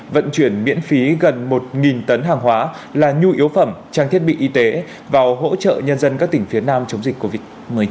vận chuyển miễn phí gần một tấn hàng hóa là nhu yếu phẩm trang thiết bị y tế vào hỗ trợ nhân dân các tỉnh phía nam chống dịch covid một mươi chín